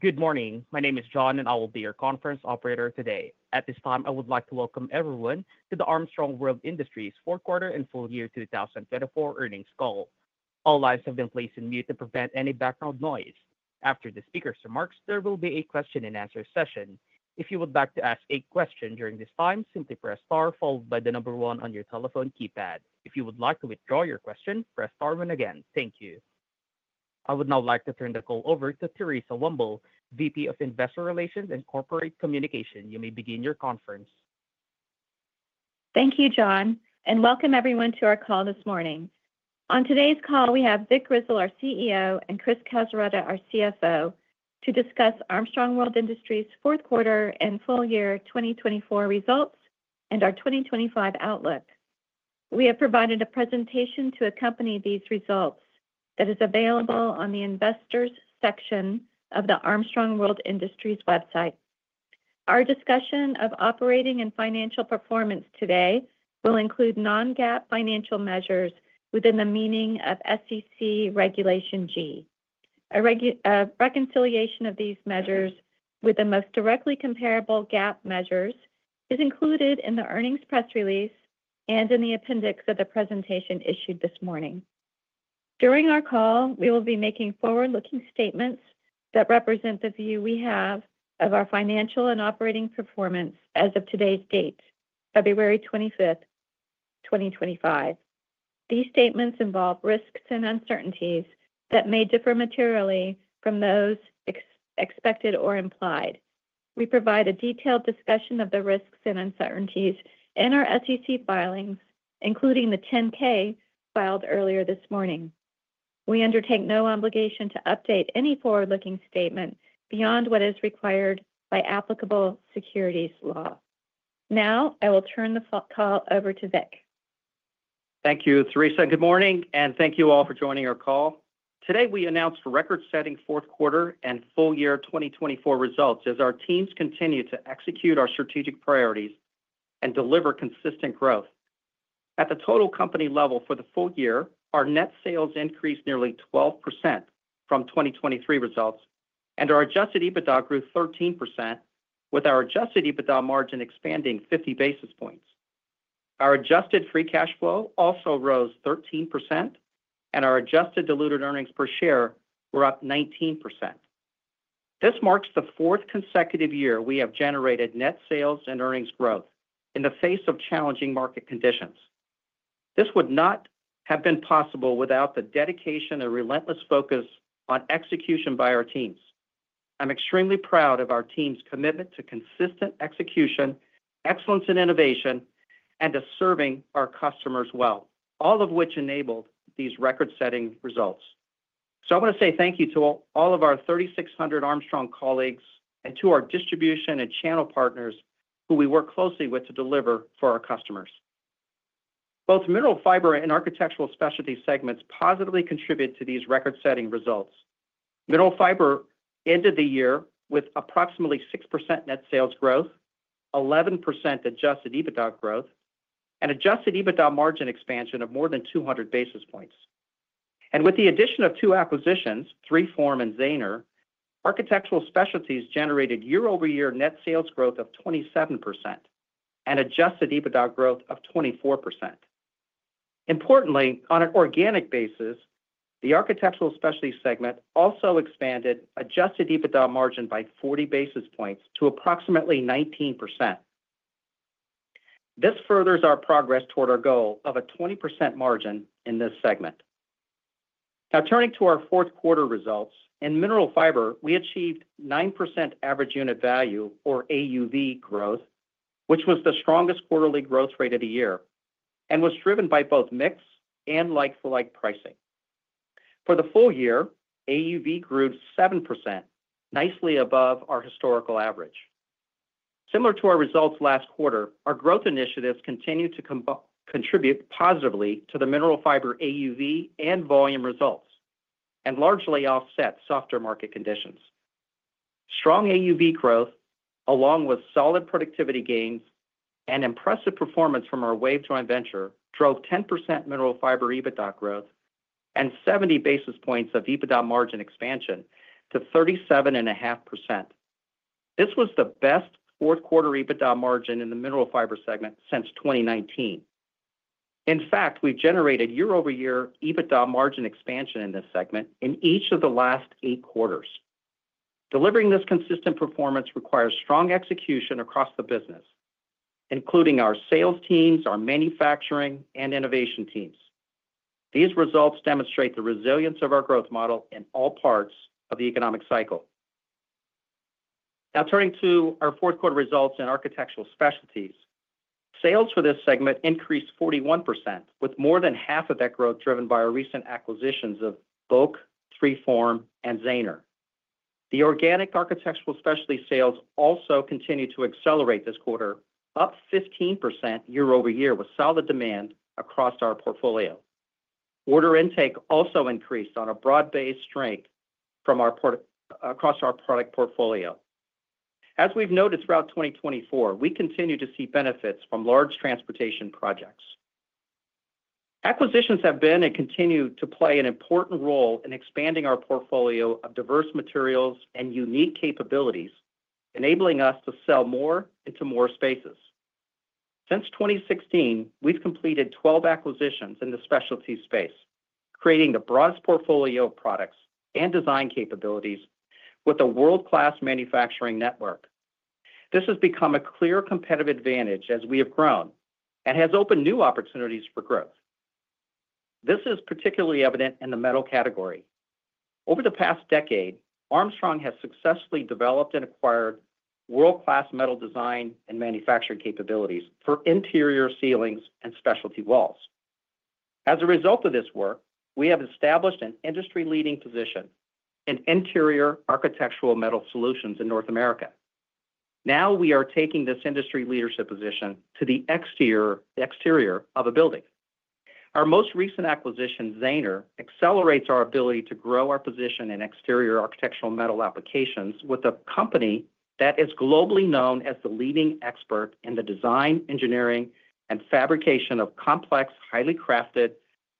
Good morning. My name is John, and I will be your conference operator today. At this time, I would like to welcome everyone to the Armstrong World Industries fourth quarter and full year 2024 earnings call. All lines have been placed on mute to prevent any background noise. After the speaker's remarks, there will be a question-and-answer session. If you would like to ask a question during this time, simply press star followed by the number one on your telephone keypad. If you would like to withdraw your question, press star one again. Thank you. I would now like to turn the call over to Theresa Womble, VP of Investor Relations and Corporate Communication. You may begin the conference. Thank you, John, and welcome everyone to our call this morning. On today's call, we have Vic Grizzle, our CEO, and Chris Calzaretta, our CFO, to discuss Armstrong World Industries' fourth quarter and full year 2024 results and our 2025 outlook. We have provided a presentation to accompany these results that is available on the Investors section of the Armstrong World Industries website. Our discussion of operating and financial performance today will include non-GAAP financial measures within the meaning of SEC Regulation G. A reconciliation of these measures with the most directly comparable GAAP measures is included in the earnings press release and in the appendix of the presentation issued this morning. During our call, we will be making forward-looking statements that represent the view we have of our financial and operating performance as of today's date, February 25, 2025. These statements involve risks and uncertainties that may differ materially from those expected or implied. We provide a detailed discussion of the risks and uncertainties in our SEC filings, including the 10-K filed earlier this morning. We undertake no obligation to update any forward-looking statement beyond what is required by applicable securities law. Now, I will turn the call over to Vic. Thank you, Theresa. Good morning, and thank you all for joining our call. Today, we announce record-setting fourth quarter and full year 2024 results as our teams continue to execute our strategic priorities and deliver consistent growth. At the total company level for the full year, our net sales increased nearly 12% from 2023 results and our Adjusted EBITDA grew 13%, with our Adjusted EBITDA Margin expanding 50 basis points. Our Adjusted Free Cash Flow also rose 13%, and our Adjusted Diluted Earnings Per Share were up 19%. This marks the fourth consecutive year we have generated net sales and earnings growth in the face of challenging market conditions. This would not have been possible without the dedication and relentless focus on execution by our teams. I'm extremely proud of our team's commitment to consistent execution, excellence in innovation, and to serving our customers well, all of which enabled these record-setting results. So I want to say thank you to all of our 3,600 Armstrong colleagues and to our distribution and channel partners who we work closely with to deliver for our customers. Both Mineral Fiber and Architectural Specialties segments positively contributed to these record-setting results. Mineral Fiber ended the year with approximately 6% net sales growth, 11% Adjusted EBITDA growth, and Adjusted EBITDA margin expansion of more than 200 basis points, and with the addition of two acquisitions, 3form and Zahner, Architectural Specialties generated year-over-year net sales growth of 27% and Adjusted EBITDA growth of 24%. Importantly, on an organic basis, the Architectural Specialties segment also expanded Adjusted EBITDA margin by 40 basis points to approximately 19%. This furthers our progress toward our goal of a 20% margin in this segment. Now, turning to our fourth quarter results, in Mineral Fiber, we achieved 9% average unit value, or AUV, growth, which was the strongest quarterly growth rate of the year and was driven by both mix and like-for-like pricing. For the full year, AUV grew 7%, nicely above our historical average. Similar to our results last quarter, our growth initiatives continue to contribute positively to the Mineral Fiber AUV and volume results and largely offset softer market conditions. Strong AUV growth, along with solid productivity gains and impressive performance from our WAVE joint venture, drove 10% Mineral Fiber EBITDA growth and 70 basis points of EBITDA margin expansion to 37.5%. This was the best Fourth Quarter EBITDA margin in the Mineral Fiber segment since 2019. In fact, we've generated year-over-year EBITDA margin expansion in this segment in each of the last eight quarters. Delivering this consistent performance requires strong execution across the business, including our sales teams, our manufacturing, and innovation teams. These results demonstrate the resilience of our growth model in all parts of the economic cycle. Now, turning to our fourth quarter results in Architectural Specialties, sales for this segment increased 41%, with more than half of that growth driven by our recent acquisitions of BOK, 3form, and Zahner. The organic architectural specialty sales also continue to accelerate this quarter, up 15% year-over-year with solid demand across our portfolio. Order intake also increased on a broad-based strength across our product portfolio. As we've noted throughout 2024, we continue to see benefits from large transportation projects. Acquisitions have been and continue to play an important role in expanding our portfolio of diverse materials and unique capabilities, enabling us to sell more into more spaces. Since 2016, we've completed 12 acquisitions in the specialty space, creating the broadest portfolio of products and design capabilities with a world-class manufacturing network. This has become a clear competitive advantage as we have grown and has opened new opportunities for growth. This is particularly evident in the metal category. Over the past decade, Armstrong has successfully developed and acquired world-class metal design and manufacturing capabilities for interior ceilings and specialty walls. As a result of this work, we have established an industry-leading position in interior architectural metal solutions in North America. Now, we are taking this industry leadership position to the exterior of a building. Our most recent acquisition, Zahner, accelerates our ability to grow our position in exterior architectural metal applications with a company that is globally known as the leading expert in the design, engineering, and fabrication of complex, highly crafted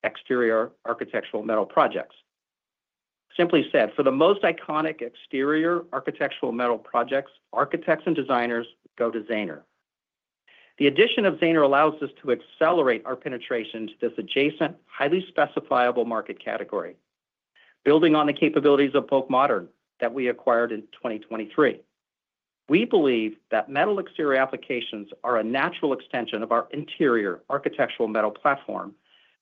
exterior architectural metal projects. Simply said, for the most iconic exterior architectural metal projects, architects and designers go to Zahner. The addition of Zahner allows us to accelerate our penetration to this adjacent, highly specifiable market category, building on the capabilities of BOK Modern that we acquired in 2023. We believe that metal exterior applications are a natural extension of our interior architectural metal platform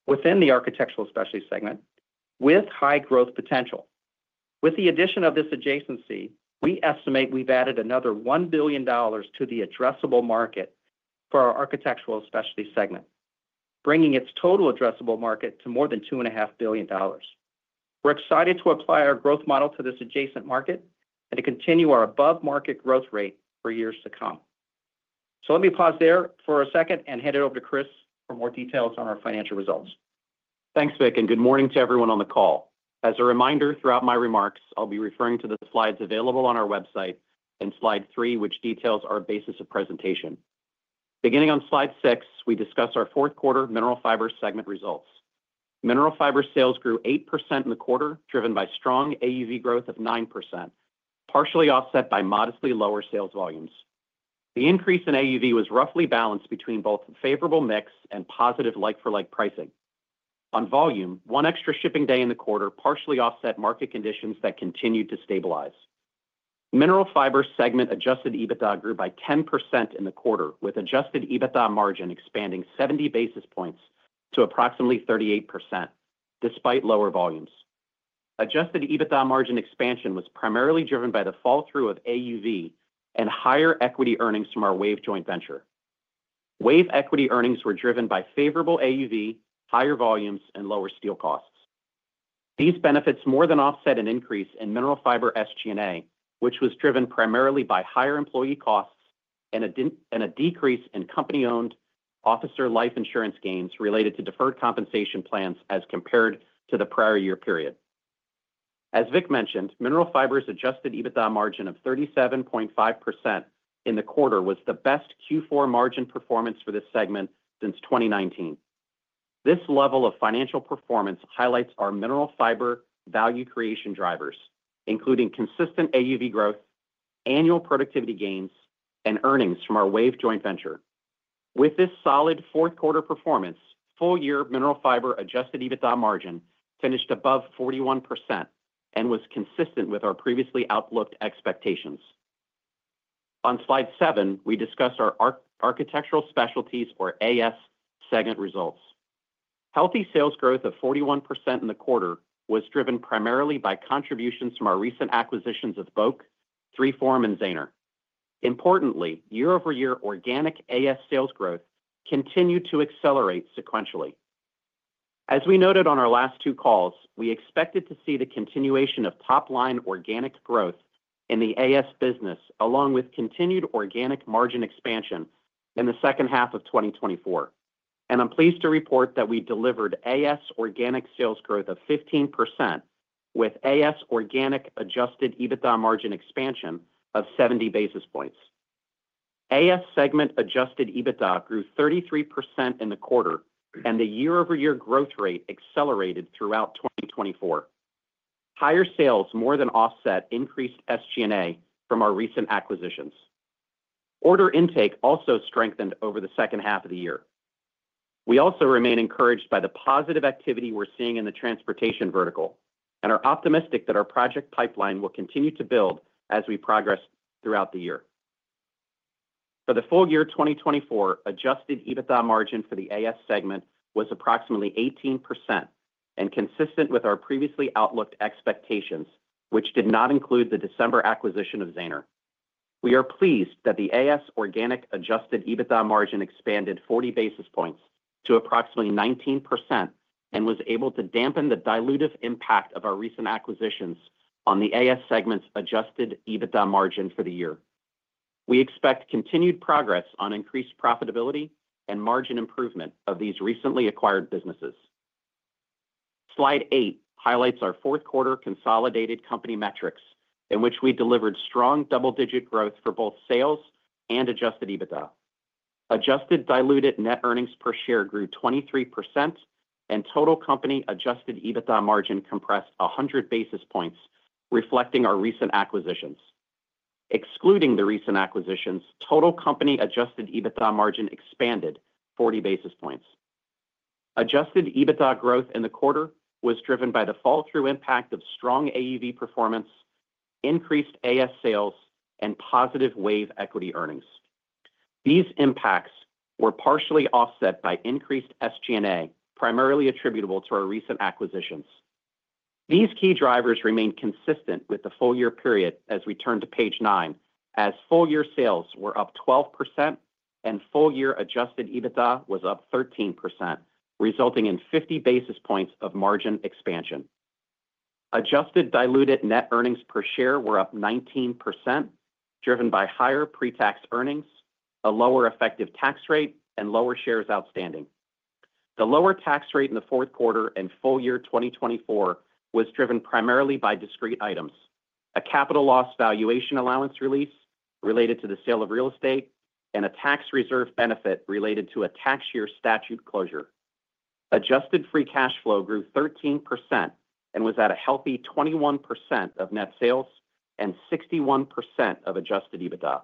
within the architectural specialty segment with high growth potential. With the addition of this adjacency, we estimate we've added another $1 billion to the addressable market for our architectural specialty segment, bringing its total addressable market to more than $2.5 billion. We're excited to apply our growth model to this adjacent market and to continue our above-market growth rate for years to come. So let me pause there for a second and hand it over to Chris for more details on our financial results. Thanks, Vic, and good morning to everyone on the call. As a reminder, throughout my remarks, I'll be referring to the slides available on our website in slide three, which details our basis of presentation. Beginning on slide six, we discuss our fourth quarter Mineral Fiber segment results. Mineral Fiber sales grew 8% in the quarter, driven by strong AUV growth of 9%, partially offset by modestly lower sales volumes. The increase in AUV was roughly balanced between both favorable mix and positive like-for-like pricing. On volume, one extra shipping day in the quarter partially offset market conditions that continued to stabilize. Mineral Fiber segment Adjusted EBITDA grew by 10% in the quarter, with Adjusted EBITDA margin expanding 70 basis points to approximately 38%, despite lower volumes. Adjusted EBITDA margin expansion was primarily driven by the fall-through of AUV and higher equity earnings from our WAVE joint venture. WAVE equity earnings were driven by favorable AUV, higher volumes, and lower steel costs. These benefits more than offset an increase in Mineral Fiber SG&A, which was driven primarily by higher employee costs and a decrease in company-owned officer life insurance gains related to deferred compensation plans as compared to the prior year period. As Vic mentioned, Mineral Fiber's Adjusted EBITDA margin of 37.5% in the quarter was the best Q4 margin performance for this segment since 2019. This level of financial performance highlights our Mineral Fiber value creation drivers, including consistent AUV growth, annual productivity gains, and earnings from our WAVE joint venture. With this solid fourth quarter performance, full-year Mineral Fiber Adjusted EBITDA margin finished above 41% and was consistent with our previously outlooked expectations. On slide seven, we discuss our Architectural Specialties, or AS, segment results. Healthy sales growth of 41% in the quarter was driven primarily by contributions from our recent acquisitions of BOK, 3form, and Zahner. Importantly, year-over-year organic AS sales growth continued to accelerate sequentially. As we noted on our last two calls, we expected to see the continuation of top-line organic growth in the AS business, along with continued organic margin expansion in the second half of 2024. I'm pleased to report that we delivered AS organic sales growth of 15% with AS organic Adjusted EBITDA margin expansion of 70 basis points. AS segment Adjusted EBITDA grew 33% in the quarter, and the year-over-year growth rate accelerated throughout 2024. Higher sales more than offset increased SG&A from our recent acquisitions. Order intake also strengthened over the second half of the year. We also remain encouraged by the positive activity we're seeing in the transportation vertical and are optimistic that our project pipeline will continue to build as we progress throughout the year. For the full year 2024, Adjusted EBITDA margin for the AS segment was approximately 18% and consistent with our previously outlooked expectations, which did not include the December acquisition of Zahner. We are pleased that the AS organic Adjusted EBITDA margin expanded 40 basis points to approximately 19% and was able to dampen the dilutive impact of our recent acquisitions on the AS segment's Adjusted EBITDA margin for the year. We expect continued progress on increased profitability and margin improvement of these recently acquired businesses. Slide eight highlights our fourth quarter consolidated company metrics, in which we delivered strong double-digit growth for both sales and Adjusted EBITDA. Adjusted diluted net earnings per share grew 23%, and total company Adjusted EBITDA margin compressed 100 basis points, reflecting our recent acquisitions. Excluding the recent acquisitions, total company Adjusted EBITDA margin expanded 40 basis points. Adjusted EBITDA growth in the quarter was driven by the fall-through impact of strong AUV performance, increased AS sales, and positive WAVE equity earnings. These impacts were partially offset by increased SG&A, primarily attributable to our recent acquisitions. These key drivers remained consistent with the full-year period as we turn to page nine, as full-year sales were up 12% and full-year Adjusted EBITDA was up 13%, resulting in 50 basis points of margin expansion. Adjusted diluted net earnings per share were up 19%, driven by higher pre-tax earnings, a lower effective tax rate, and lower shares outstanding. The lower tax rate in the fourth quarter and full year 2024 was driven primarily by discrete items: a capital loss valuation allowance release related to the sale of real estate and a tax reserve benefit related to a tax year statute closure. Adjusted free cash flow grew 13% and was at a healthy 21% of net sales and 61% of Adjusted EBITDA.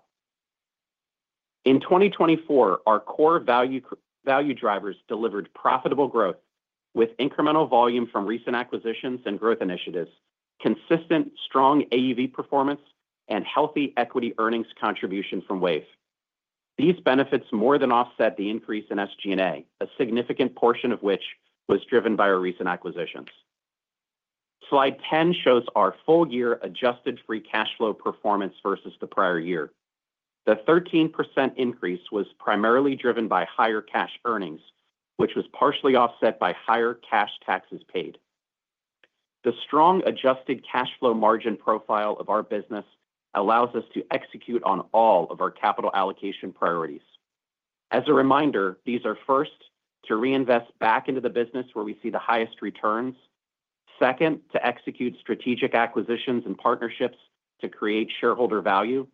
In 2024, our core value drivers delivered profitable growth with incremental volume from recent acquisitions and growth initiatives, consistent strong AUV performance, and healthy equity earnings contribution from WAVE. These benefits more than offset the increase in SG&A, a significant portion of which was driven by our recent acquisitions. Slide 10 shows our full-year adjusted free cash flow performance versus the prior year. The 13% increase was primarily driven by higher cash earnings, which was partially offset by higher cash taxes paid. The strong adjusted cash flow margin profile of our business allows us to execute on all of our capital allocation priorities. As a reminder, these are first, to reinvest back into the business where we see the highest returns, second, to execute strategic acquisitions and partnerships to create shareholder value,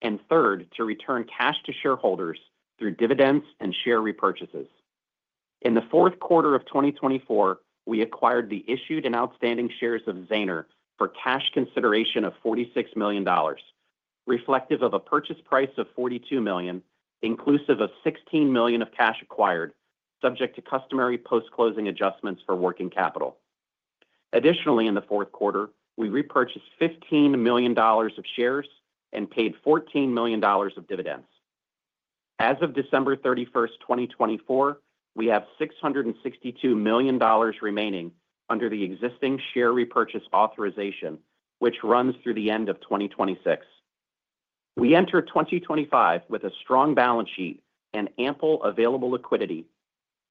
and third, to return cash to shareholders through dividends and share repurchases. In the fourth quarter of 2024, we acquired the issued and outstanding shares of Zahner for cash consideration of $46 million, reflective of a purchase price of $42 million, inclusive of $16 million of cash acquired, subject to customary post-closing adjustments for working capital. Additionally, in the fourth quarter, we repurchased $15 million of shares and paid $14 million of dividends. As of December 31st, 2024, we have $662 million remaining under the existing share repurchase authorization, which runs through the end of 2026. We enter 2025 with a strong balance sheet and ample available liquidity,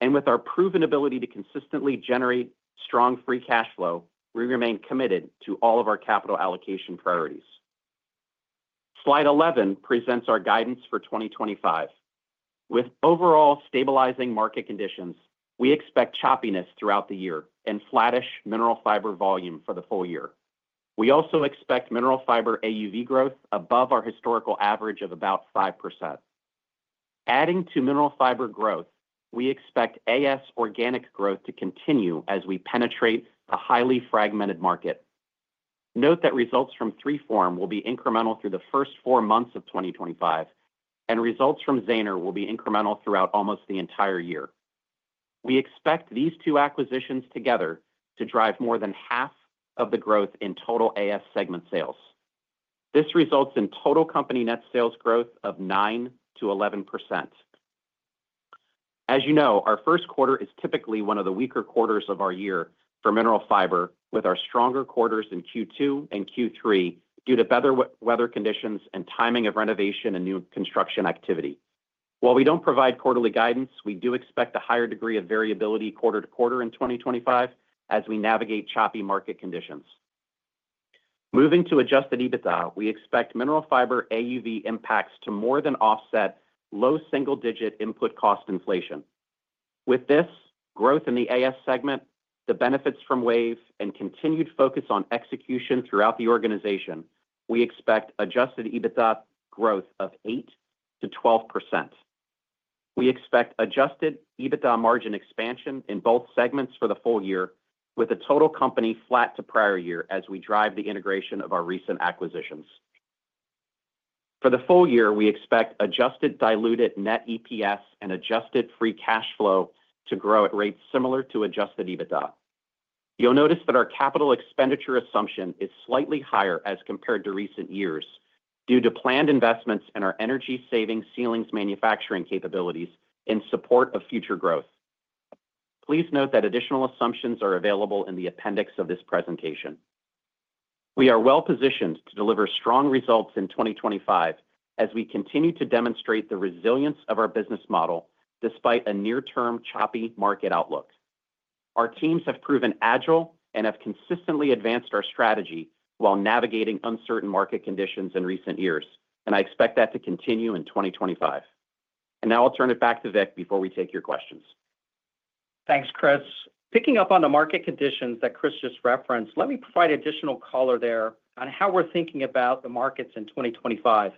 and with our proven ability to consistently generate strong free cash flow, we remain committed to all of our capital allocation priorities. Slide 11 presents our guidance for 2025. With overall stabilizing market conditions, we expect choppiness throughout the year and flattish Mineral Fiber volume for the full year. We also expect Mineral Fiber AUV growth above our historical average of about 5%. Adding to Mineral Fiber growth, we expect AS organic growth to continue as we penetrate a highly fragmented market. Note that results from 3form will be incremental through the first four months of 2025, and results from Zahner will be incremental throughout almost the entire year. We expect these two acquisitions together to drive more than half of the growth in total AS segment sales. This results in total company net sales growth of 9%-11%. As you know, our first quarter is typically one of the weaker quarters of our year for Mineral Fiber, with our stronger quarters in Q2 and Q3 due to better weather conditions and timing of renovation and new construction activity. While we don't provide quarterly guidance, we do expect a higher degree of variability quarter-to-quarter in 2025 as we navigate choppy market conditions. Moving to Adjusted EBITDA, we expect Mineral Fiber AUV impacts to more than offset low single-digit input cost inflation. With this growth in the AS segment, the benefits from WAVE, and continued focus on execution throughout the organization, we expect Adjusted EBITDA growth of 8%-12%. We expect Adjusted EBITDA margin expansion in both segments for the full year, with the total company flat to prior year as we drive the integration of our recent acquisitions. For the full year, we expect adjusted diluted net EPS and Adjusted Free Cash Flow to grow at rates similar to Adjusted EBITDA. You'll notice that our capital expenditure assumption is slightly higher as compared to recent years due to planned investments in our energy-saving ceilings manufacturing capabilities in support of future growth. Please note that additional assumptions are available in the appendix of this presentation. We are well-positioned to deliver strong results in 2025 as we continue to demonstrate the resilience of our business model despite a near-term choppy market outlook. Our teams have proven agile and have consistently advanced our strategy while navigating uncertain market conditions in recent years, and I expect that to continue in 2025. Now I'll turn it back to Vic before we take your questions. Thanks, Chris. Picking up on the market conditions that Chris just referenced, let me provide additional color there on how we're thinking about the markets in 2025.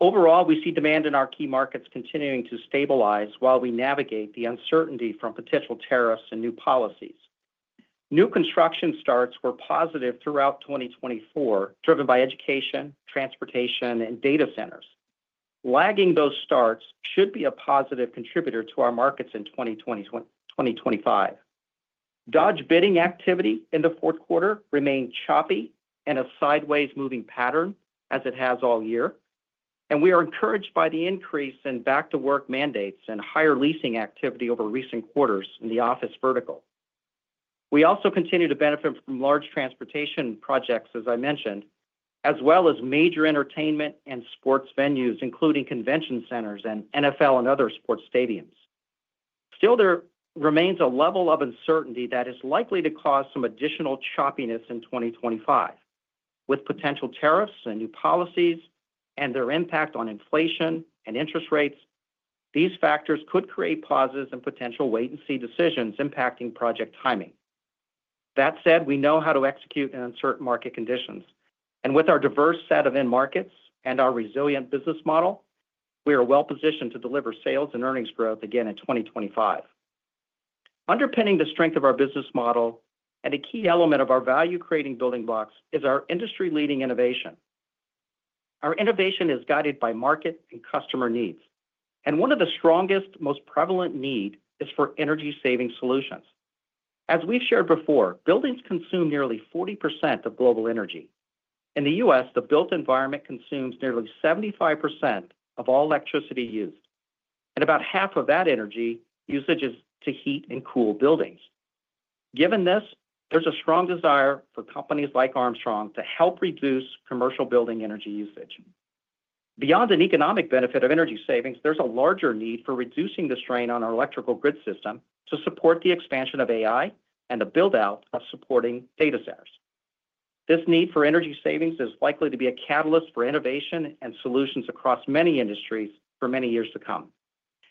Overall, we see demand in our key markets continuing to stabilize while we navigate the uncertainty from potential tariffs and new policies. New construction starts were positive throughout 2024, driven by education, transportation, and data centers. Lagging those starts should be a positive contributor to our markets in 2025. Dodge bidding activity in the fourth quarter remained choppy in a sideways-moving pattern as it has all year, and we are encouraged by the increase in back-to-work mandates and higher leasing activity over recent quarters in the office vertical. We also continue to benefit from large transportation projects, as I mentioned, as well as major entertainment and sports venues, including convention centers and NFL and other sports stadiums. Still, there remains a level of uncertainty that is likely to cause some additional choppiness in 2025. With potential tariffs and new policies and their impact on inflation and interest rates, these factors could create pauses and potential wait-and-see decisions impacting project timing. That said, we know how to execute in uncertain market conditions, and with our diverse set of end markets and our resilient business model, we are well-positioned to deliver sales and earnings growth again in 2025. Underpinning the strength of our business model and a key element of our value-creating building blocks is our industry-leading innovation. Our innovation is guided by market and customer needs, and one of the strongest, most prevalent needs is for energy-saving solutions. As we've shared before, buildings consume nearly 40% of global energy. In the U.S., the built environment consumes nearly 75% of all electricity used, and about half of that energy usage is to heat and cool buildings. Given this, there's a strong desire for companies like Armstrong to help reduce commercial building energy usage. Beyond an economic benefit of energy savings, there's a larger need for reducing the strain on our electrical grid system to support the expansion of AI and the build-out of supporting data centers. This need for energy savings is likely to be a catalyst for innovation and solutions across many industries for many years to come.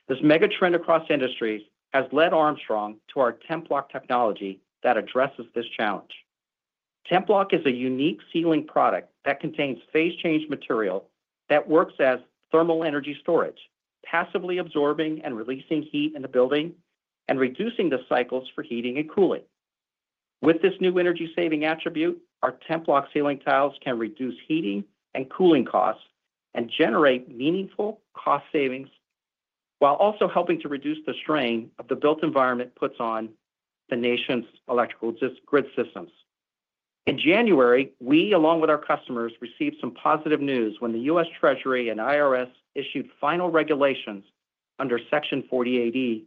This mega trend across industries has led Armstrong to our Templok technology that addresses this challenge. Templok is a unique ceiling product that contains phase-change material that works as thermal energy storage, passively absorbing and releasing heat in the building and reducing the cycles for heating and cooling. With this new energy-saving attribute, our Templok ceiling tiles can reduce heating and cooling costs and generate meaningful cost savings while also helping to reduce the strain the built environment puts on the nation's electrical grid systems. In January, we, along with our customers, received some positive news when the U.S. Treasury and IRS issued final regulations under Section 48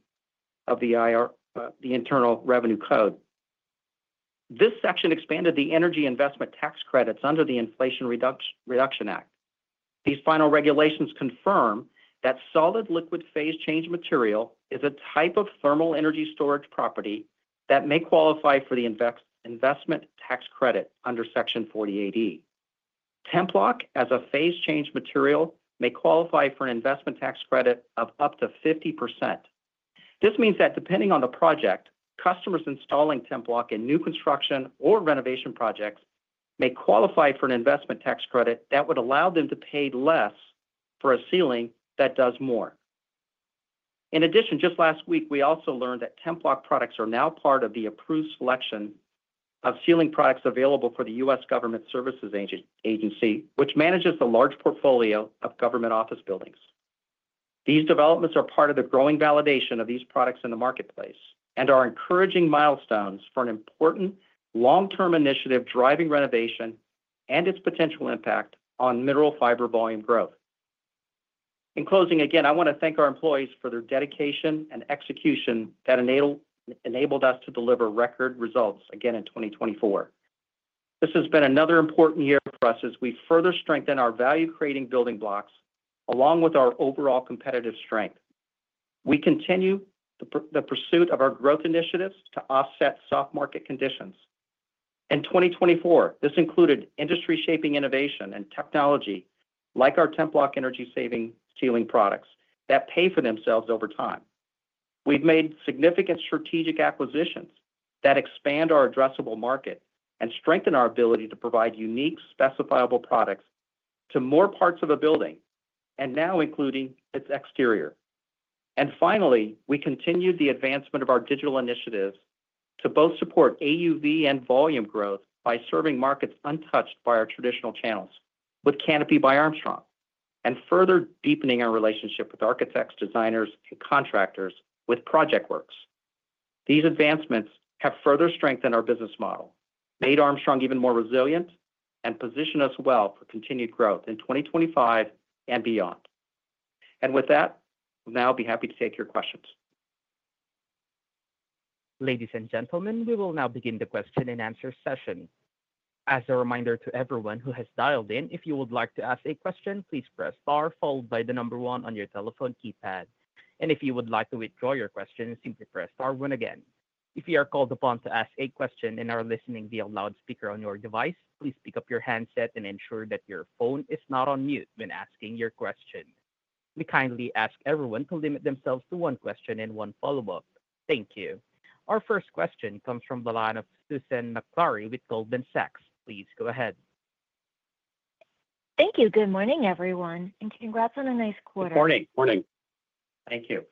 of the Internal Revenue Code. This section expanded the energy investment tax credits under the Inflation Reduction Act. These final regulations confirm that solid-liquid phase-change material is a type of thermal energy storage property that may qualify for the investment tax credit under Section 48. Templok, as a phase-change material, may qualify for an investment tax credit of up to 50%. This means that depending on the project, customers installing Templok in new construction or renovation projects may qualify for an investment tax credit that would allow them to pay less for a ceiling that does more. In addition, just last week, we also learned that Templok products are now part of the approved selection of ceiling products available for the U.S. General Services Administration, which manages the large portfolio of government office buildings. These developments are part of the growing validation of these products in the marketplace and are encouraging milestones for an important long-term initiative driving renovation and its potential impact on Mineral Fiber volume growth. In closing, again, I want to thank our employees for their dedication and execution that enabled us to deliver record results again in 2024. This has been another important year for us as we further strengthen our value-creating building blocks along with our overall competitive strength. We continue the pursuit of our growth initiatives to offset soft market conditions. In 2024, this included industry-shaping innovation and technology like our Templok energy-saving ceiling products that pay for themselves over time. We've made significant strategic acquisitions that expand our addressable market and strengthen our ability to provide unique specifiable products to more parts of a building, and now including its exterior. And finally, we continue the advancement of our digital initiatives to both support AUV and volume growth by serving markets untouched by our traditional channels with Kanopi by Armstrong and further deepening our relationship with architects, designers, and contractors with ProjectWorks. These advancements have further strengthened our business model, made Armstrong even more resilient, and positioned us well for continued growth in 2025 and beyond, and with that, we'll now be happy to take your questions. Ladies and gentlemen, we will now begin the question and answer session. As a reminder to everyone who has dialed in, if you would like to ask a question, please press star followed by the number one on your telephone keypad, and if you would like to withdraw your question, simply press star two again. If you are called upon to ask a question and are listening via loudspeaker on your device, please pick up your handset and ensure that your phone is not on mute when asking your question. We kindly ask everyone to limit themselves to one question and one follow-up. Thank you. Our first question comes from Susan Maklari with Goldman Sachs. Please go ahead. Thank you. Good morning, everyone, and congrats on a nice quarter. Good morning. Morning. Thank you.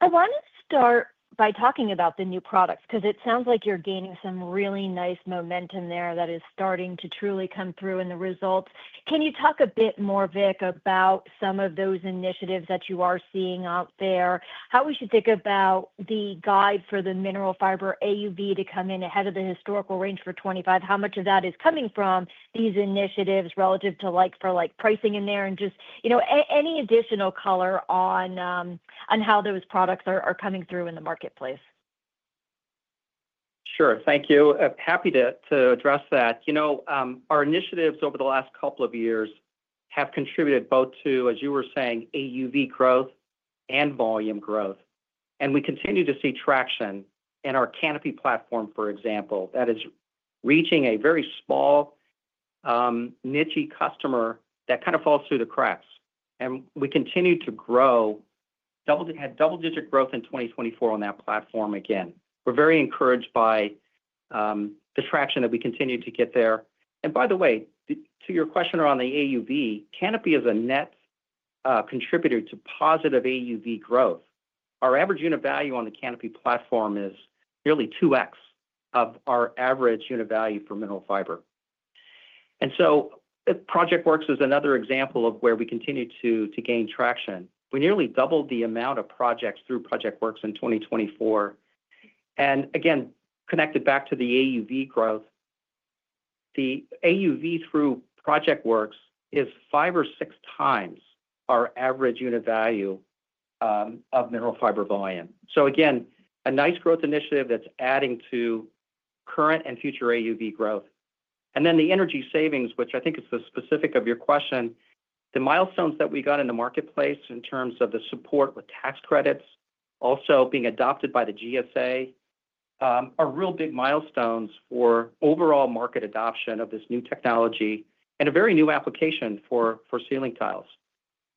I want to start by talking about the new products because it sounds like you're gaining some really nice momentum there that is starting to truly come through in the results. Can you talk a bit more, Vic, about some of those initiatives that you are seeing out there? How we should think about the guide for the Mineral Fiber AUV to come in ahead of the historical range for 2025, how much of that is coming from these initiatives relative to like for like pricing in there and just, you know, any additional color on how those products are coming through in the marketplace? Sure. Thank you. Happy to address that. You know, our initiatives over the last couple of years have contributed both to, as you were saying, AUV growth and volume growth, and we continue to see traction in our Kanopi platform, for example, that is reaching a very small, niche customer that kind of falls through the cracks, and we continue to grow, had double-digit growth in 2024 on that platform again. We're very encouraged by the traction that we continue to get there, and by the way, to your question around the AUV, Kanopi is a net contributor to positive AUV growth. Our average unit value on the Kanopi platform is nearly 2x of our average unit value for Mineral Fiber, and so ProjectWorks is another example of where we continue to gain traction. We nearly doubled the amount of projects through ProjectWorks in 2024. And again, connected back to the AUV growth, the AUV through ProjectWorks is five or six times our average unit value of Mineral Fiber volume. So again, a nice growth initiative that's adding to current and future AUV growth. And then the energy savings, which I think is the specific of your question, the milestones that we got in the marketplace in terms of the support with tax credits also being adopted by the GSA are real big milestones for overall market adoption of this new technology and a very new application for ceiling tiles.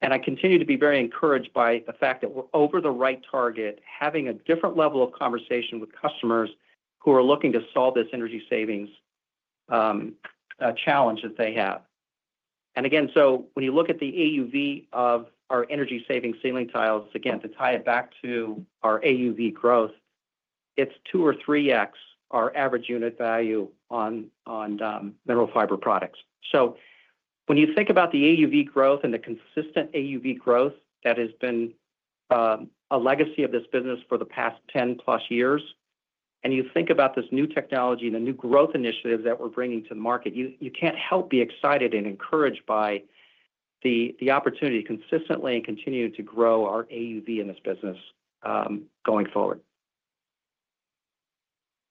And I continue to be very encouraged by the fact that we're over the right target, having a different level of conversation with customers who are looking to solve this energy savings challenge that they have. And again, so when you look at the AUV of our energy-saving ceiling tiles, again, to tie it back to our AUV growth, it's two or 3x our average unit value on Mineral Fiber products. So when you think about the AUV growth and the consistent AUV growth that has been a legacy of this business for the past 10-plus years, and you think about this new technology and the new growth initiatives that we're bringing to the market, you can't help but be excited and encouraged by the opportunity to consistently and continue to grow our AUV in this business going forward.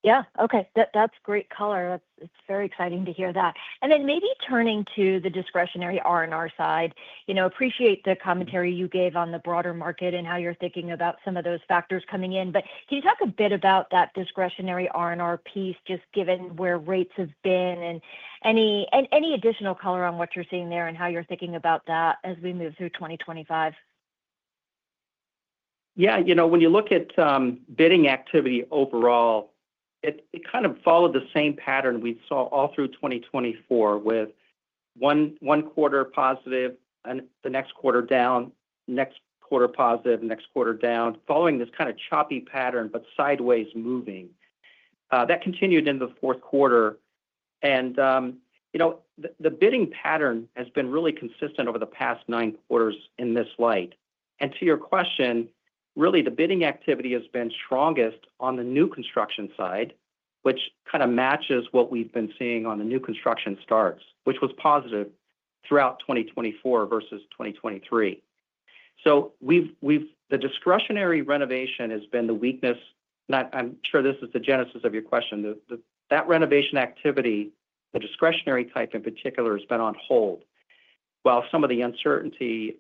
Yeah. Okay. That's great color. It's very exciting to hear that. And then maybe turning to the discretionary R&R side, you know, appreciate the commentary you gave on the broader market and how you're thinking about some of those factors coming in. But can you talk a bit about that discretionary R&R piece, just given where rates have been and any additional color on what you're seeing there and how you're thinking about that as we move through 2025? Yeah. You know, when you look at bidding activity overall, it kind of followed the same pattern we saw all through 2024 with one quarter positive and the next quarter down, next quarter positive, next quarter down, following this kind of choppy pattern but sideways moving. That continued into the fourth quarter. And, you know, the bidding pattern has been really consistent over the past nine quarters in this light. And to your question, really, the bidding activity has been strongest on the new construction side, which kind of matches what we've been seeing on the new construction starts, which was positive throughout 2024 versus 2023. So the discretionary renovation has been the weakness. I'm sure this is the genesis of your question. That renovation activity, the discretionary type in particular, has been on hold while some of the uncertainty,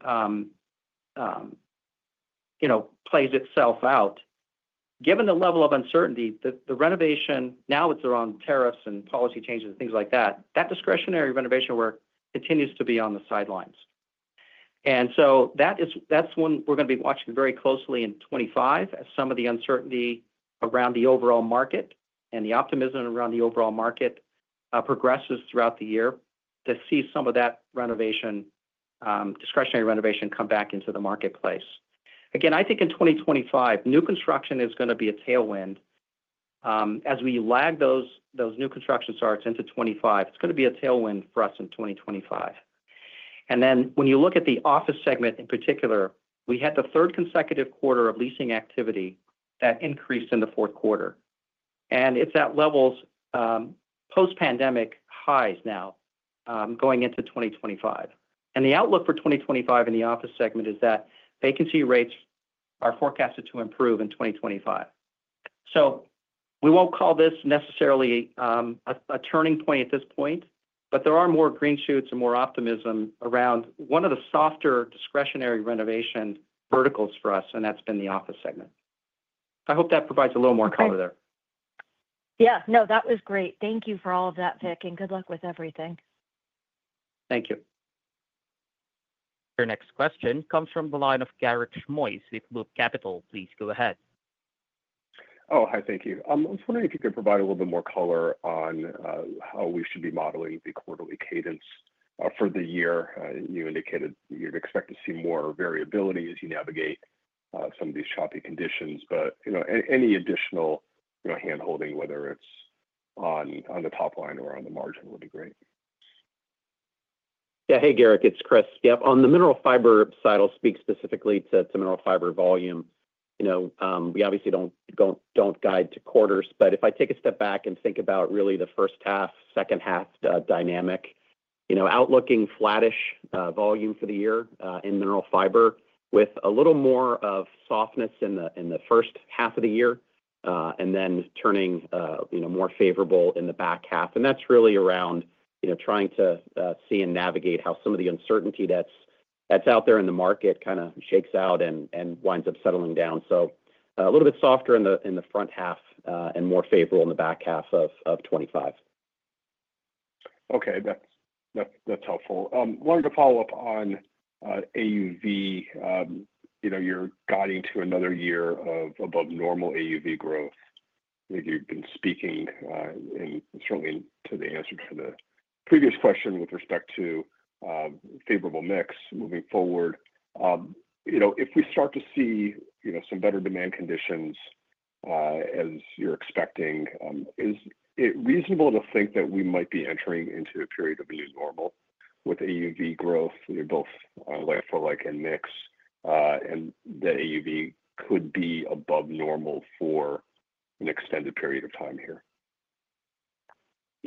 you know, plays itself out. Given the level of uncertainty, the renovation, now with their own tariffs and policy changes and things like that, that discretionary renovation work continues to be on the sidelines. And so that's when we're going to be watching very closely in 2025 as some of the uncertainty around the overall market and the optimism around the overall market progresses throughout the year to see some of that discretionary renovation come back into the marketplace. Again, I think in 2025, new construction is going to be a tailwind. As we lag those new construction starts into 2025, it's going to be a tailwind for us in 2025. And then when you look at the office segment in particular, we had the third consecutive quarter of leasing activity that increased in the fourth quarter. And it's at levels post-pandemic highs now going into 2025. The outlook for 2025 in the office segment is that vacancy rates are forecasted to improve in 2025. So we won't call this necessarily a turning point at this point, but there are more green shoots and more optimism around one of the softer discretionary renovation verticals for us, and that's been the office segment. I hope that provides a little more color there. Yeah. No, that was great. Thank you for all of that, Vic, and good luck with everything. Thank you. Your next question comes from the line of Garik Shmois with Loop Capital. Please go ahead. Oh, hi. Thank you. I was wondering if you could provide a little bit more color on how we should be modeling the quarterly cadence for the year. You indicated you'd expect to see more variability as you navigate some of these choppy conditions. But, you know, any additional handholding, whether it's on the top line or on the margin, would be great. Yeah. Hey, Garik, it's Chris. Yeah. On the Mineral Fiber side, I'll speak specifically to Mineral Fiber volume. You know, we obviously don't guide to quarters, but if I take a step back and think about really the first half, second half dynamic, you know, outlooking flattish volume for the year in Mineral Fiber with a little more of softness in the first half of the year and then turning, you know, more favorable in the back half. And that's really around, you know, trying to see and navigate how some of the uncertainty that's out there in the market kind of shakes out and winds up settling down. So a little bit softer in the front half and more favorable in the back half of 2025. Okay. That's helpful. Wanted to follow up on AUV. You know, you're guiding to another year of above-normal AUV growth. You've been speaking and certainly to the answer to the previous question with respect to favorable mix moving forward. You know, if we start to see, you know, some better demand conditions as you're expecting, is it reasonable to think that we might be entering into a period of new normal with AUV growth, both like-for-like and mix, and the AUV could be above normal for an extended period of time here?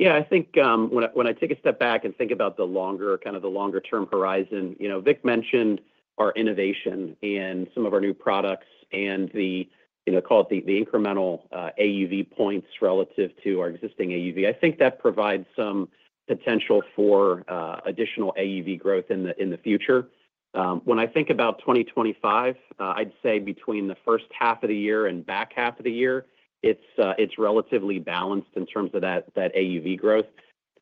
Yeah. I think when I take a step back and think about the longer-term horizon, kind of, you know, Vic mentioned our innovation and some of our new products and the, you know, call it the incremental AUV points relative to our existing AUV. I think that provides some potential for additional AUV growth in the future. When I think about 2025, I'd say between the first half of the year and back half of the year, it's relatively balanced in terms of that AUV growth.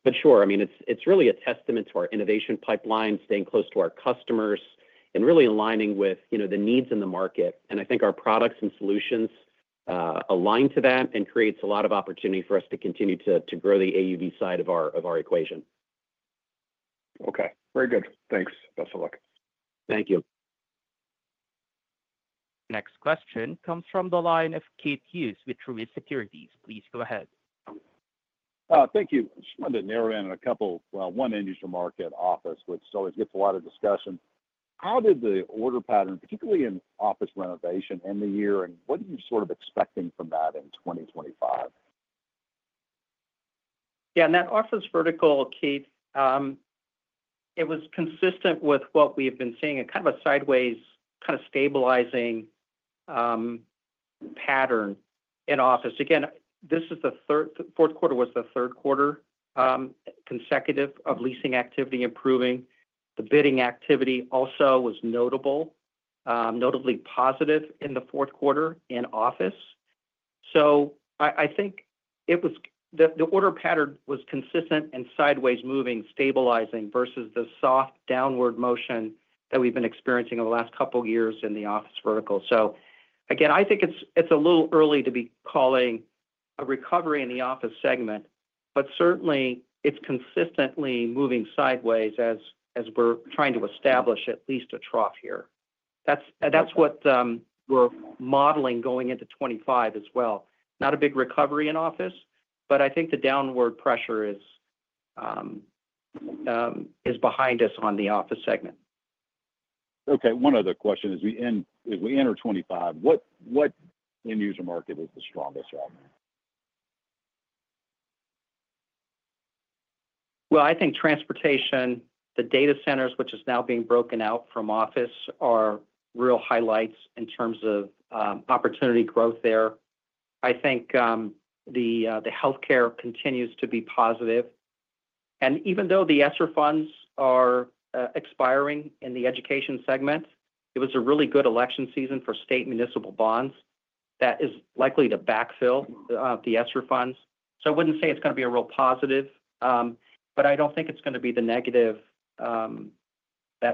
But sure, I mean, it's really a testament to our innovation pipeline, staying close to our customers and really aligning with, you know, the needs in the market. And I think our products and solutions align to that and create a lot of opportunity for us to continue to grow the AUV side of our equation. Okay. Very good. Thanks. Best of luck. Thank you. Next question comes from the line of Keith Hughes with Truist Securities. Please go ahead. Thank you. Just wanted to narrow in on a couple, well, one industry market, office, which always gets a lot of discussion. How did the order pattern, particularly in office renovation in the year, and what are you sort of expecting from that in 2025? Yeah. In that office vertical, Keith, it was consistent with what we have been seeing, a kind of a sideways, kind of stabilizing pattern in office. Again, this is the fourth quarter was the third quarter consecutive of leasing activity improving. The bidding activity also was notable, notably positive in the fourth quarter in office. So I think it was the order pattern was consistent and sideways moving, stabilizing versus the soft downward motion that we've been experiencing over the last couple of years in the office vertical. So again, I think it's a little early to be calling a recovery in the office segment, but certainly it's consistently moving sideways as we're trying to establish at least a trough here. That's what we're modeling going into 2025 as well. Not a big recovery in office, but I think the downward pressure is behind us on the office segment. Okay. One other question as we end, as we enter 2025, what end-user market is the strongest right now? I think transportation, the data centers, which is now being broken out from office, are real highlights in terms of opportunity growth there. I think the healthcare continues to be positive. Even though the ESSER funds are expiring in the education segment, it was a really good election season for state municipal bonds that is likely to backfill the ESSER funds. So I wouldn't say it's going to be a real positive, but I don't think it's going to be the negative that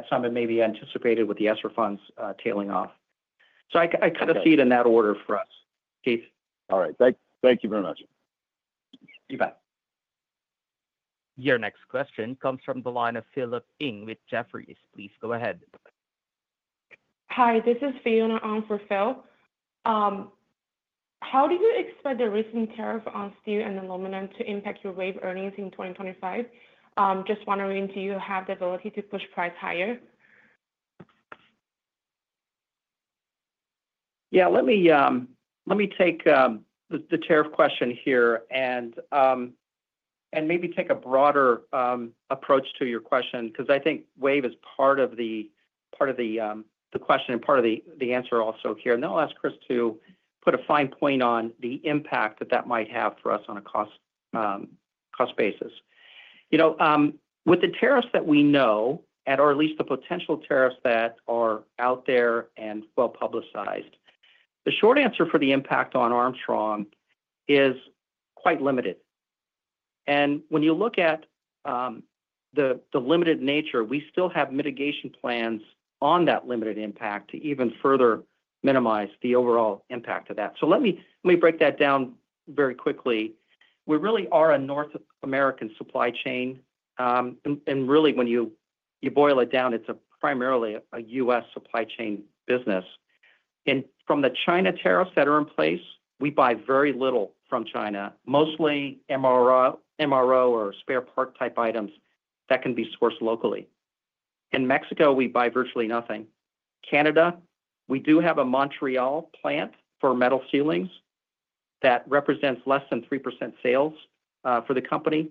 some maybe anticipated with the ESSER funds tailing off. So I kind of see it in that order for us, Keith. All right. Thank you very much. You bet. Your next question comes from the line of Philip Ng with Jefferies. Please go ahead. Hi. This is Fiona on for Phil. How do you expect the recent tariff on steel and aluminum to impact your WAVE earnings in 2025? Just wondering, do you have the ability to push price higher? Yeah. Let me take the tariff question here and maybe take a broader approach to your question because I think WAVE is part of the question and part of the answer also here, and then I'll ask Chris to put a fine point on the impact that that might have for us on a cost basis. You know, with the tariffs that we know, and/or at least the potential tariffs that are out there and well-publicized, the short answer for the impact on Armstrong is quite limited, and when you look at the limited nature, we still have mitigation plans on that limited impact to even further minimize the overall impact of that, so let me break that down very quickly. We really are a North American supply chain, and really, when you boil it down, it's primarily a U.S. supply chain business. From the China tariffs that are in place, we buy very little from China, mostly MRO or spare part-type items that can be sourced locally. In Mexico, we buy virtually nothing. In Canada, we do have a Montreal plant for metal ceilings that represents less than 3% sales for the company.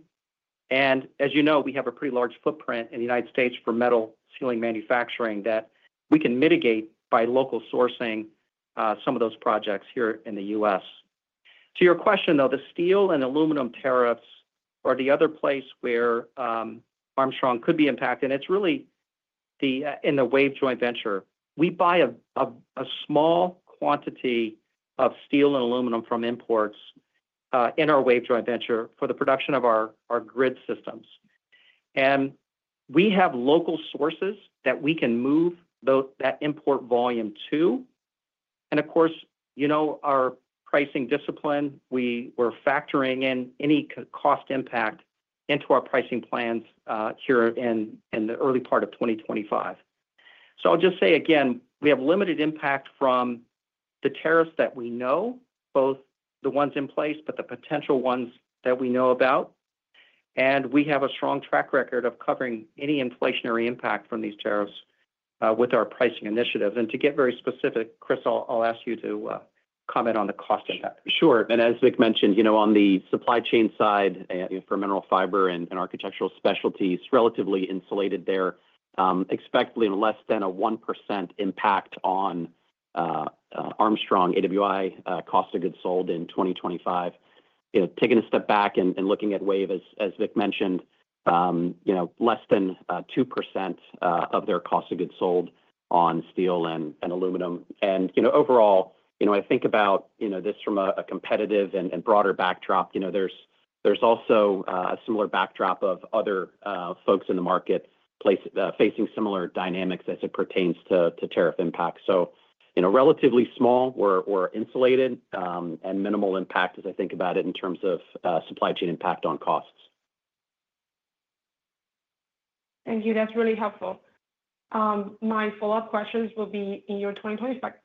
As you know, we have a pretty large footprint in the United States for metal ceiling manufacturing that we can mitigate by local sourcing some of those projects here in the U.S. To your question, though, the steel and aluminum tariffs are the other place where Armstrong could be impacted. It's really in the WAVE joint venture. We buy a small quantity of steel and aluminum from imports in our WAVE joint venture for the production of our grid systems. We have local sources that we can move that import volume to. Of course, you know, our pricing discipline. We were factoring in any cost impact into our pricing plans here in the early part of 2025. So I'll just say again, we have limited impact from the tariffs that we know, both the ones in place, but the potential ones that we know about. And we have a strong track record of covering any inflationary impact from these tariffs with our pricing initiatives. And to get very specific, Chris, I'll ask you to comment on the cost impact. Sure. And as Vic mentioned, you know, on the supply chain side for Mineral Fiber and Architectural Specialties, relatively insulated there. Expect less than a 1% impact on Armstrong AWI cost of goods sold in 2025. You know, taking a step back and looking at WAVE, as Vic mentioned, you know, less than 2% of their cost of goods sold on steel and aluminum. And, you know, overall, you know, when I think about, you know, this from a competitive and broader backdrop, you know, there's also a similar backdrop of other folks in the market facing similar dynamics as it pertains to tariff impact. So, you know, relatively small or insulated and minimal impact as I think about it in terms of supply chain impact on costs. Thank you. That's really helpful. My follow-up questions will be in your 2025 guidance.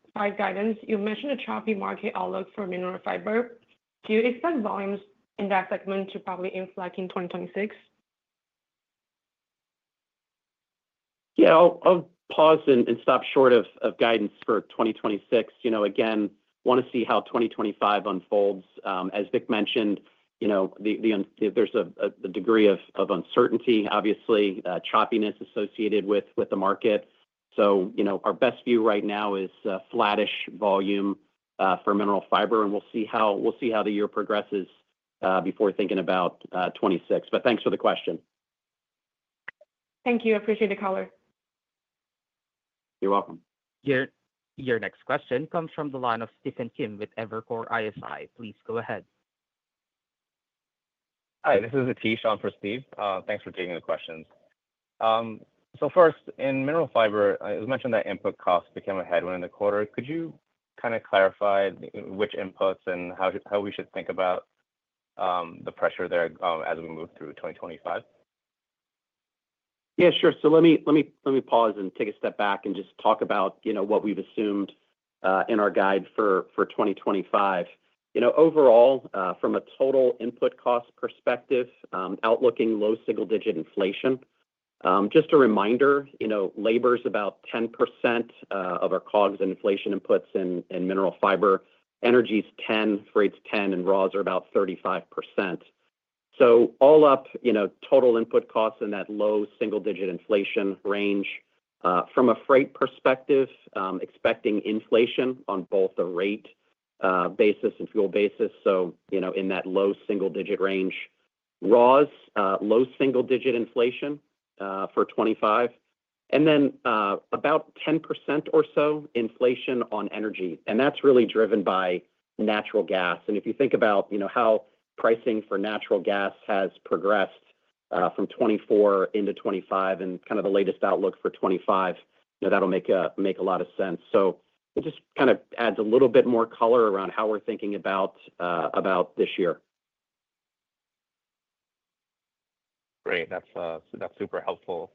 You mentioned a choppy market outlook for Mineral Fiber. Do you expect volumes in that segment to probably inflate in 2026? Yeah. I'll pause and stop short of guidance for 2026. You know, again, want to see how 2025 unfolds. As Vic mentioned, you know, there's a degree of uncertainty, obviously, choppiness associated with the market. So, you know, our best view right now is flattish volume for Mineral Fiber. And we'll see how the year progresses before thinking about 2026. But thanks for the question. Thank you. Appreciate the color. You're welcome. Your next question comes from the line of Stephen Kim with Evercore ISI. Please go ahead. Hi. This is Aatish on for Steve. Thanks for taking the questions. So first, in Mineral Fiber, as you mentioned, that input cost became a headwind in the quarter. Could you kind of clarify which inputs and how we should think about the pressure there as we move through 2025? Yeah, sure. So let me pause and take a step back and just talk about, you know, what we've assumed in our guide for 2025. You know, overall, from a total input cost perspective, outlooking low single-digit inflation. Just a reminder, you know, labor is about 10% of our COGS and inflation inputs in Mineral Fiber. Energy is 10%, freight's 10%, and raws are about 35%. So all up, you know, total input costs in that low single-digit inflation range. From a freight perspective, expecting inflation on both the rate basis and fuel basis. So, you know, in that low single-digit range, raws, low single-digit inflation for 2025, and then about 10% or so inflation on energy. And that's really driven by natural gas. And if you think about, you know, how pricing for natural gas has progressed from 2024 into 2025 and kind of the latest outlook for 2025, you know, that'll make a lot of sense. So it just kind of adds a little bit more color around how we're thinking about this year. Great. That's super helpful.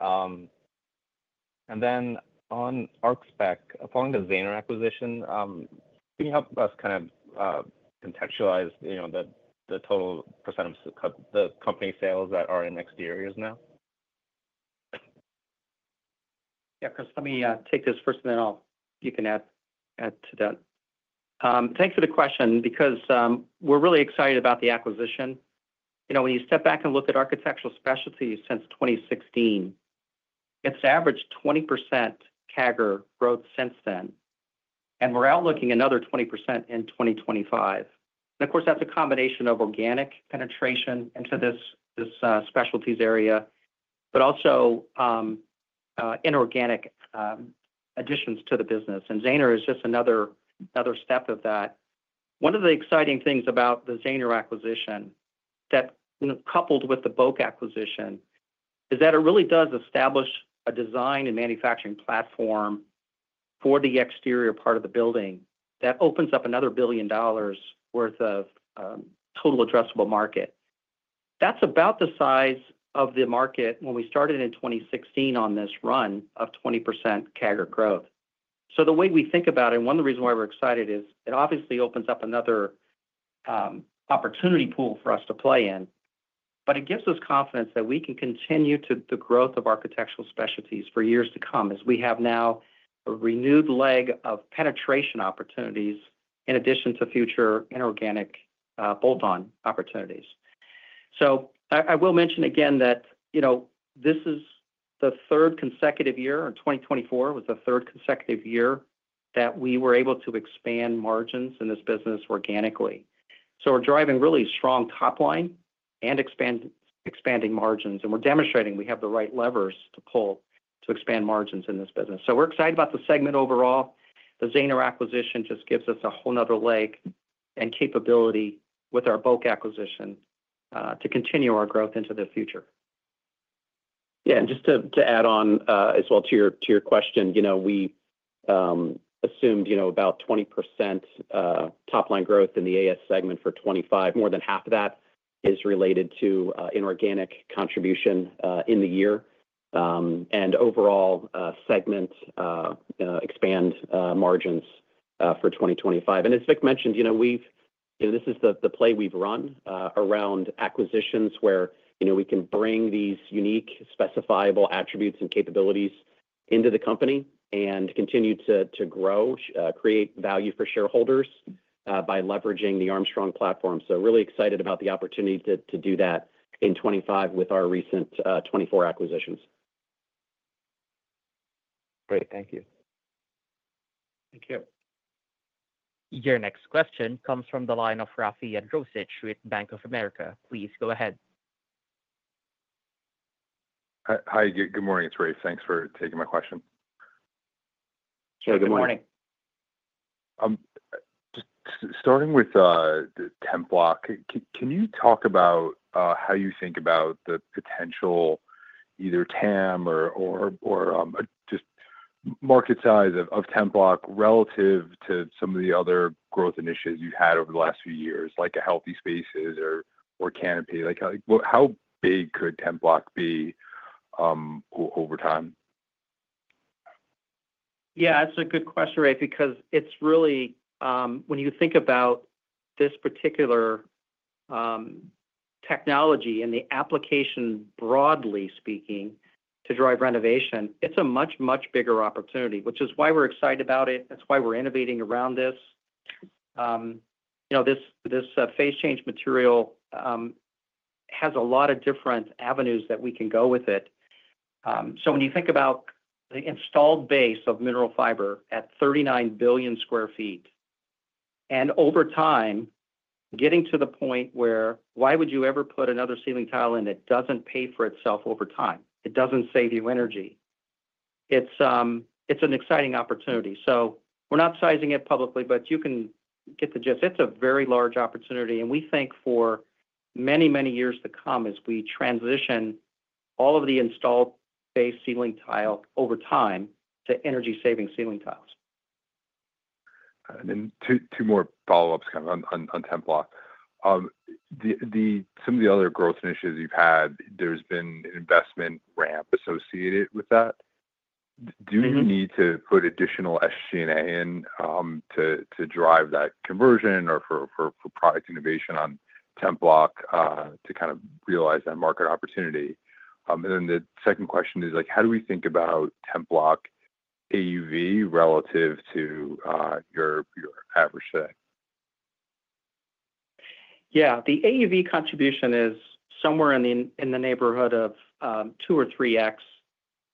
And then on Arch Spec, following the Zahner acquisition, can you help us kind of contextualize, you know, the total % of the company sales that are in exteriors now? Yeah, Chris, let me take this first, and then you can add to that. Thanks for the question because we're really excited about the acquisition. You know, when you step back and look at Architectural Specialties since 2016, it's averaged 20% CAGR growth since then. We're projecting another 20% in 2025. Of course, that's a combination of organic penetration into this specialties area, but also inorganic additions to the business. Zahner is just another step of that. One of the exciting things about the Zahner acquisition that, you know, coupled with the BOK acquisition is that it really does establish a design and manufacturing platform for the exterior part of the building that opens up another $1 billion worth of total addressable market. That's about the size of the market when we started in 2016 on this run of 20% CAGR growth. So the way we think about it, and one of the reasons why we're excited is it obviously opens up another opportunity pool for us to play in, but it gives us confidence that we can continue to the growth of Architectural Specialties for years to come as we have now a renewed leg of penetration opportunities in addition to future inorganic bolt-on opportunities. So I will mention again that, you know, this is the third consecutive year, and 2024 was the third consecutive year that we were able to expand margins in this business organically. So we're driving really strong top line and expanding margins, and we're demonstrating we have the right levers to pull to expand margins in this business. So we're excited about the segment overall. The Zahner acquisition just gives us a whole nother leg and capability with our BOK acquisition to continue our growth into the future. Yeah, and just to add on as well to your question, you know, we assumed, you know, about 20% top line growth in the AS segment for 2025. More than half of that is related to inorganic contribution in the year, and overall, segment expanded margins for 2025, and as Vic mentioned, you know, we've, you know, this is the play we've run around acquisitions where, you know, we can bring these unique specifiable attributes and capabilities into the company and continue to grow, create value for shareholders by leveraging the Armstrong platform. So really excited about the opportunity to do that in 2025 with our recent 2024 acquisitions. Great. Thank you. Thank you. Your next question comes from the line of Rafe Jadrosich with Bank of America. Please go ahead. Hi. Good morning. It's Rafe. Thanks for taking my question. Sure. Good morning. Starting with Templok, can you talk about how you think about the potential either TAM or just market size of Templok relative to some of the other growth initiatives you've had over the last few years, like a Healthy Spaces or Kanopi? Like how big could Templok be over time? Yeah. That's a good question, Rafe, because it's really, when you think about this particular technology and the application broadly speaking to drive renovation, it's a much, much bigger opportunity, which is why we're excited about it. That's why we're innovating around this. You know, this phase change material has a lot of different avenues that we can go with it. So when you think about the installed base of Mineral Fiber at 39 billion sq ft and over time getting to the point where, why would you ever put another ceiling tile in that doesn't pay for itself over time? It doesn't save you energy. It's an exciting opportunity. So we're not sizing it publicly, but you can get the gist. It's a very large opportunity. We think for many, many years to come as we transition all of the installed base ceiling tile over time to energy-saving ceiling tiles. And then two more follow-ups kind of on Templok. Some of the other growth initiatives you've had, there's been an investment ramp associated with that. Do we need to put additional SG&A in to drive that conversion or for product innovation on Templok to kind of realize that market opportunity? And then the second question is like, how do we think about Templok AUV relative to your average today? Yeah. The AUV contribution is somewhere in the neighborhood of two or three X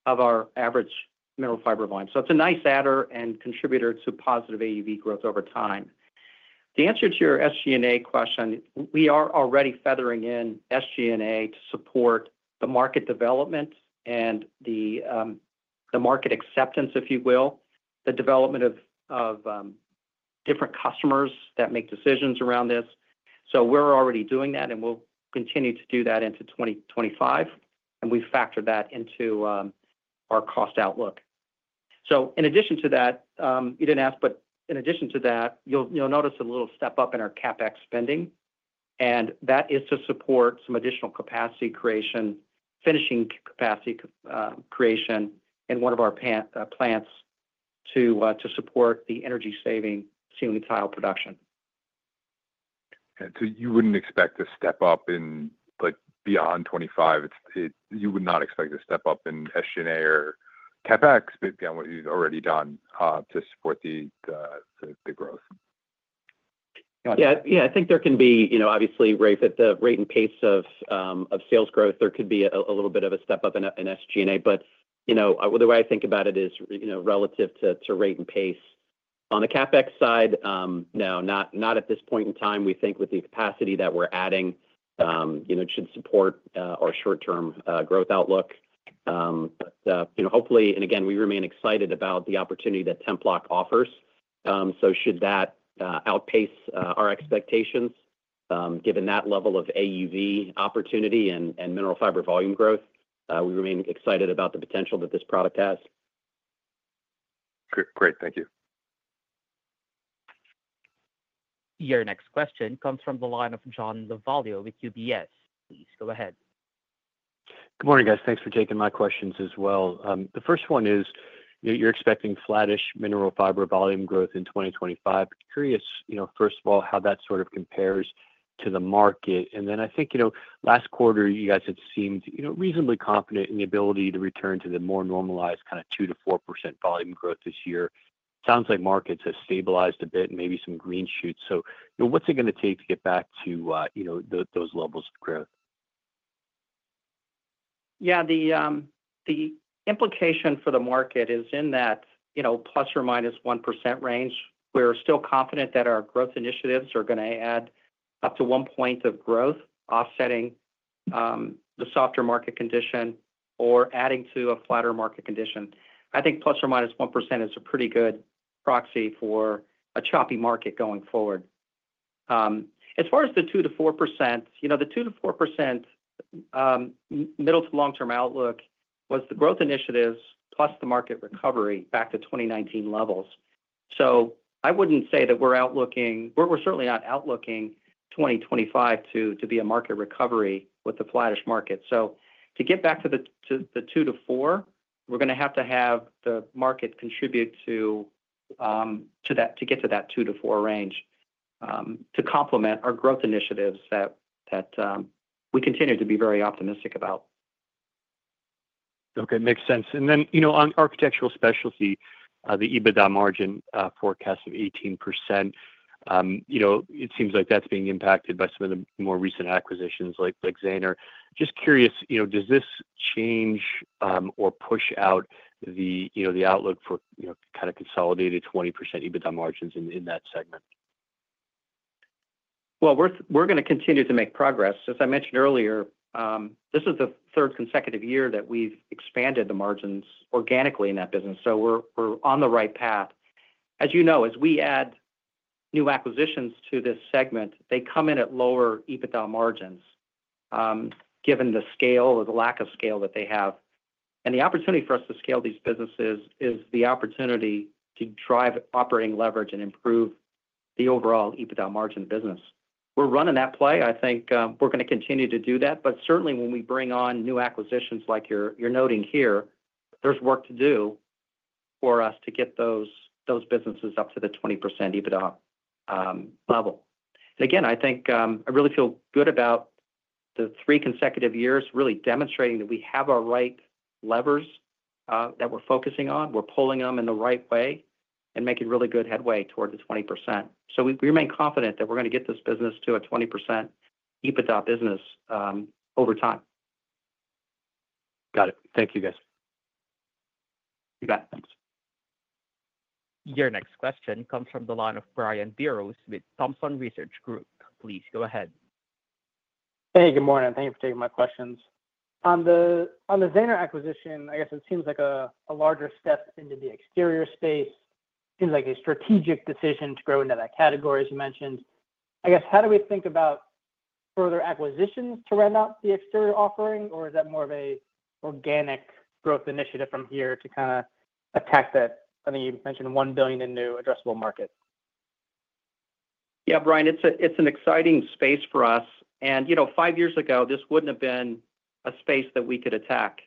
of our average Mineral Fiber line. So it's a nice add and contributor to positive AUV growth over time. The answer to your SG&A question, we are already feathering in SG&A to support the market development and the market acceptance, if you will, the development of different customers that make decisions around this. So we're already doing that, and we'll continue to do that into 2025. And we factor that into our cost outlook. So in addition to that, you didn't ask, but in addition to that, you'll notice a little step up in our CapEx spending. And that is to support some additional capacity creation, finishing capacity creation in one of our plants to support the energy-saving ceiling tile production. So you wouldn't expect a step up in, like, beyond 2025. You would not expect a step up in SG&A or CapEx beyond what you've already done to support the growth? Yeah. Yeah. I think there can be, you know, obviously, Rafe, at the rate and pace of sales growth, there could be a little bit of a step up in SG&A. But, you know, the way I think about it is, you know, relative to rate and pace on the CapEx side, no, not at this point in time. We think with the capacity that we're adding, you know, it should support our short-term growth outlook. But, you know, hopefully, and again, we remain excited about the opportunity that Templok offers. So should that outpace our expectations given that level of AUV opportunity and Mineral Fiber volume growth, we remain excited about the potential that this product has. Great. Thank you. Your next question comes from John Lovallo with UBS. Please go ahead. Good morning, guys. Thanks for taking my questions as well. The first one is, you're expecting flattish Mineral Fiber volume growth in 2025. Curious, you know, first of all, how that sort of compares to the market. And then I think, you know, last quarter, you guys had seemed, you know, reasonably confident in the ability to return to the more normalized kind of 2%-4% volume growth this year. Sounds like markets have stabilized a bit, maybe some green shoots. So, you know, what's it going to take to get back to, you know, those levels of growth? Yeah. The implication for the market is in that, you know, plus or minus 1% range. We're still confident that our growth initiatives are going to add up to one point of growth, offsetting the softer market condition or adding to a flatter market condition. I think plus or minus 1% is a pretty good proxy for a choppy market going forward. As far as the 2%-4%, you know, the 2%-4% middle to long-term outlook was the growth initiatives plus the market recovery back to 2019 levels. So I wouldn't say that we're outlooking, we're certainly not outlooking 2025 to be a market recovery with the flattish market. So to get back to the 2-4, we're going to have to have the market contribute to that, to get to that 2-4 range to complement our growth initiatives that we continue to be very optimistic about. Okay. Makes sense. And then, you know, on Architectural Specialties, the EBITDA margin forecast of 18%, you know, it seems like that's being impacted by some of the more recent acquisitions like Zahner. Just curious, you know, does this change or push out the, you know, the outlook for, you know, kind of consolidated 20% EBITDA margins in that segment? We're going to continue to make progress. As I mentioned earlier, this is the third consecutive year that we've expanded the margins organically in that business. So we're on the right path. As you know, as we add new acquisitions to this segment, they come in at lower EBITDA margins given the scale or the lack of scale that they have. And the opportunity for us to scale these businesses is the opportunity to drive operating leverage and improve the overall EBITDA margin business. We're running that play. I think we're going to continue to do that. But certainly, when we bring on new acquisitions, like you're noting here, there's work to do for us to get those businesses up to the 20% EBITDA level. And again, I think I really feel good about the three consecutive years really demonstrating that we have our right levers that we're focusing on. We're pulling them in the right way and making really good headway toward the 20%. So we remain confident that we're going to get this business to a 20% EBITDA business over time. Got it. Thank you, guys. You bet. Thanks. Your next question comes from the line of Brian Biros with Thompson Research Group. Please go ahead. Hey, good morning. Thank you for taking my questions. On the Zahner acquisition, I guess it seems like a larger step into the exterior space. Seems like a strategic decision to grow into that category, as you mentioned. I guess, how do we think about further acquisitions to round out the exterior offering, or is that more of an organic growth initiative from here to kind of attack that? I think you mentioned 1 billion in new addressable market. Yeah. Brian, it's an exciting space for us and, you know, five years ago, this wouldn't have been a space that we could attack.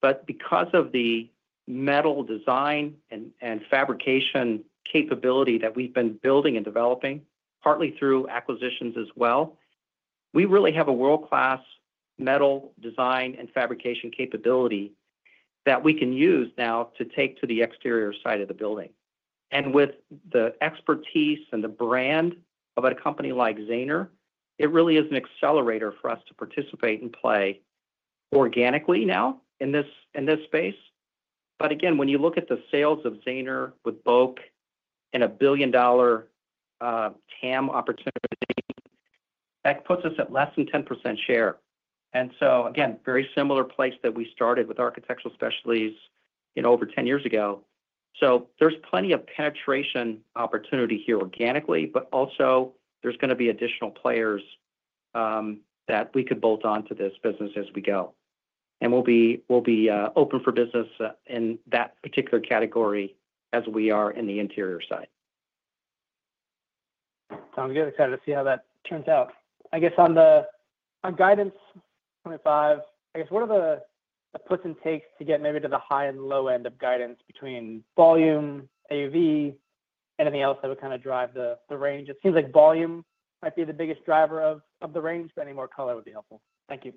But because of the metal design and fabrication capability that we've been building and developing partly through acquisitions as well, we really have a world-class metal design and fabrication capability that we can use now to take to the exterior side of the building. And with the expertise and the brand of a company like Zahner, it really is an accelerator for us to participate and play organically now in this space. But again, when you look at the sales of Zahner with BOK and a billion-dollar TAM opportunity, that puts us at less than 10% share. And so, again, very similar place that we started with Architectural Specialties over 10 years ago. So there's plenty of penetration opportunity here organically, but also there's going to be additional players that we could bolt on to this business as we go. And we'll be open for business in that particular category as we are in the interior side. Sounds good. Excited to see how that turns out. I guess on the guidance 2025, I guess, what are the puts and takes to get maybe to the high and low end of guidance between volume, AUV, anything else that would kind of drive the range? It seems like volume might be the biggest driver of the range, but any more color would be helpful. Thank you.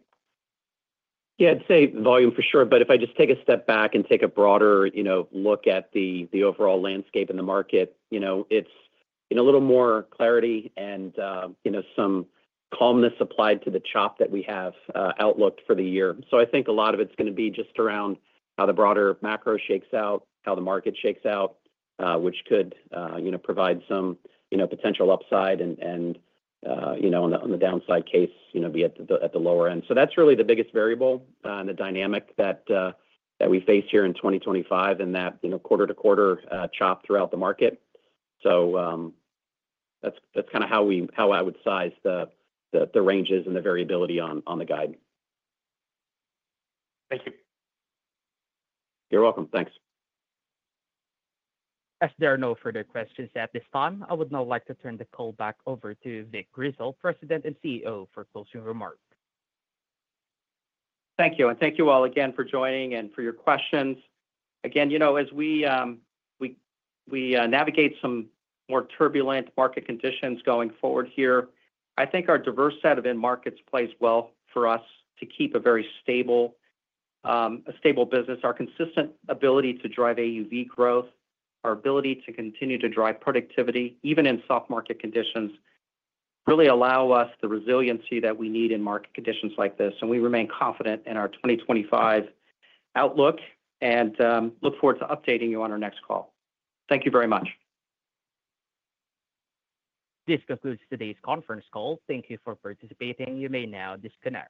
Yeah. I'd say volume for sure. But if I just take a step back and take a broader, you know, look at the overall landscape in the market, you know, it's in a little more clarity and, you know, some calmness applied to the chop that we have outlooked for the year. So, I think a lot of it's going to be just around how the broader macro shakes out, how the market shakes out, which could, you know, provide some, you know, potential upside and, you know, on the downside case, you know, be at the lower end. So that's really the biggest variable and the dynamic that we face here in 2025 and that, you know, quarter-to-quarter chop throughout the market. So that's kind of how I would size the ranges and the variability on the guide. Thank you. You're welcome. Thanks. As there are no further questions at this time, I would now like to turn the call back over to Vic Grizzle, President and CEO, for closing remarks. Thank you, and thank you all again for joining and for your questions. Again, you know, as we navigate some more turbulent market conditions going forward here, I think our diverse set of end markets plays well for us to keep a very stable business. Our consistent ability to drive AUV growth, our ability to continue to drive productivity even in soft market conditions really allows us the resiliency that we need in market conditions like this, and we remain confident in our 2025 outlook and look forward to updating you on our next call. Thank you very much. This concludes today's conference call. Thank you for participating. You may now disconnect.